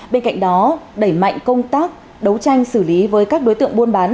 bên cạnh đó đẩy mạnh công tác đấu tranh xử lý với các đối tượng buôn bán